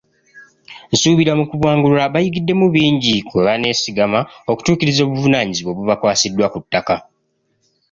Nsuubira mu kubangulwa bayigiddemu bingi kwe baneesigama okutuukiriza obuvunaanyizibwa obubakwasiddwa ku ttaka.